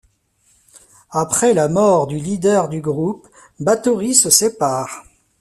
Après la mort du leader du groupe, Bathory se sépare.